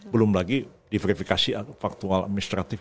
belum lagi diverifikasi faktual administratif